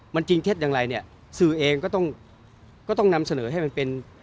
มันจริงเท็จอย่างไรเนี่ยสื่อเองก็ต้องก็ต้องนำเสนอให้มันเป็น